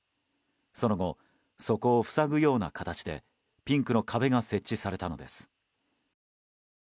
その後、そこを塞ぐような形でピンクの壁が設置されたのです。